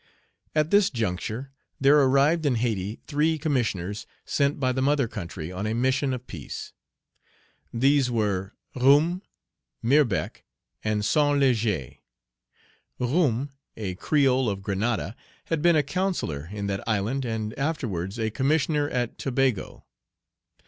At this juncture, there arrived in Hayti three Commissioners, sent by the mother country on a mission of peace. These were Roume, Mirbeck, and St. Léger. Roume, a creole of Grenada, had been a councillor in that island, and afterwards a commissioner at Tobago.